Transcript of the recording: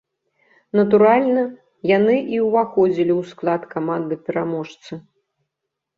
Натуральна, яны і ўваходзілі ў склад каманды-пераможцы.